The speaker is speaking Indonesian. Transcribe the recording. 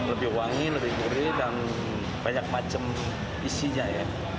lebih wangi lebih gurih dan banyak macam isinya ya